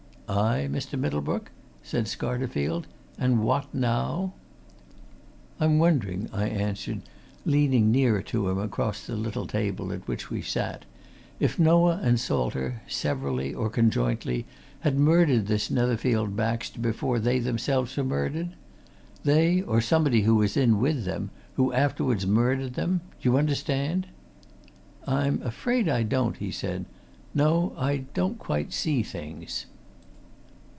"Aye, Mr. Middlebrook?" said Scarterfield. "And what, now?" "I'm wondering," I answered, leaning nearer to him across the little table at which we sat, "if Noah and Salter, severally, or conjointly, had murdered this Netherfield Baxter before they themselves were murdered? They or somebody who was in with them, who afterwards murdered them? Do you understand?" "I'm afraid I don't," he said. "No I don't quite see things."